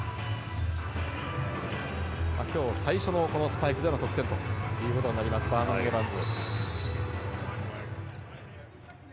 今日最初のスパイクでの得点となりますバーノン・エバンズ。